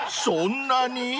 ［そんなに？］